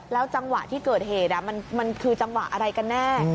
จังหวะที่เกิดเหตุมันคือจังหวะอะไรกันแน่